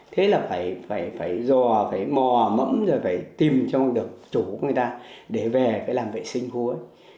thế là phải dò phải mò mẫm rồi phải tìm cho được chỗ của người ta để về làm vệ sinh khu ấy